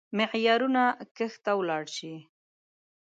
معيارونه کښته ولاړ شي.